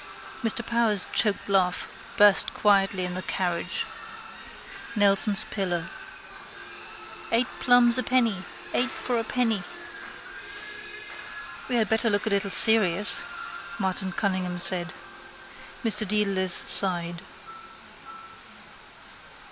Mr Power's choked laugh burst quietly in the carriage. Nelson's pillar. —Eight plums a penny! Eight for a penny! —We had better look a little serious, Martin Cunningham said. Mr Dedalus sighed.